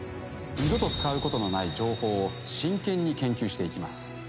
二度と使うことのない情報を真剣に研究していきます。